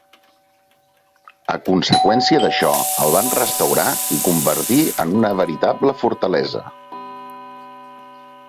A conseqüència d'això el van restaurar i convertir en una veritable fortalesa.